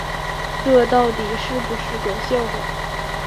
这到底是不是个笑话